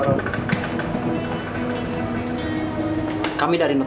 tentu bahwa orangia dalam doa